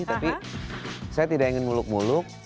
tapi saya tidak ingin muluk muluk